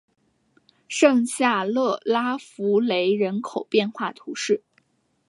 圣夏勒拉福雷人口变化图示